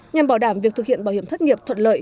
nhằm bảo đảm việc thực hiện bảo hiểm thất nghiệp thuận lợi